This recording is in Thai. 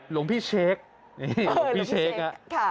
หลวงพี่เชคหลวงพี่เชคค่ะ